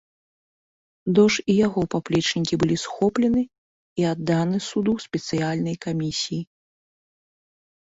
Дож і яго паплечнікі былі схоплены і адданы суду спецыяльнай камісіі.